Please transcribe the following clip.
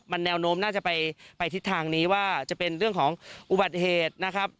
แนวโน้มน่าจะไปทิศทางนี้ว่าจะเป็นเรื่องของอุบัติเหตุนะครับ